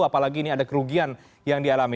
apalagi ini ada kerugian yang dialami